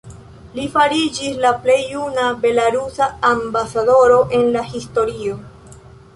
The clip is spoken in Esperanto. Li fariĝis la plej juna belarusa Ambasadoro en la historio.